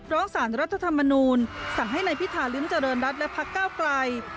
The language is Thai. สารรัฐธรรมนูลสั่งให้นายพิธาริมเจริญรัฐและพักเก้าไกล